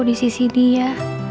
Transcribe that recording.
di sisi dia